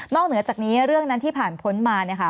เหนือจากนี้เรื่องนั้นที่ผ่านพ้นมาเนี่ยค่ะ